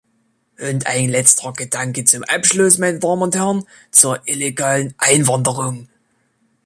Und ein letzter Gedanke zum Abschluss, meine Damen und Herren, zur illegalen Einwanderung.